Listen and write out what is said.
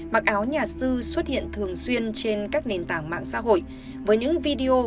mặc áo nhà sư xuất hiện thường xuyên trên các nền tảng mạng xã hội với những video